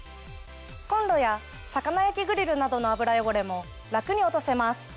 コンロや魚焼きグリルなどの油汚れも楽に落とせます。